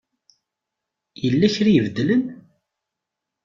Yella kra ibeddlen?